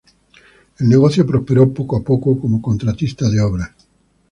El negocio prosperó poco a poco como contratista de obras.